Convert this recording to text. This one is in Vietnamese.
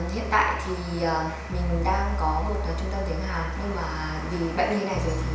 hiện tại thì mình đang có một trung tâm tiếng hàn nhưng mà vì bệnh như thế này rồi thì mình sẽ không có đi làm được